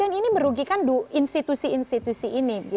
dan ini merugikan institusi institusi ini